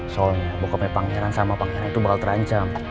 soalnya pokoknya pangeran sama pangeran itu bakal terancam